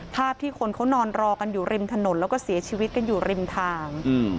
ภาพที่คนเขานอนรอกันอยู่ริมถนนแล้วก็เสียชีวิตกันอยู่ริมทาง